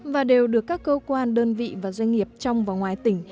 và đều được các cơ quan đơn vị và doanh nghiệp trong và ngoài tỉnh